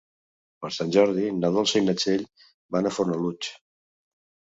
Per Sant Jordi na Dolça i na Txell van a Fornalutx.